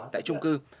tại trung cư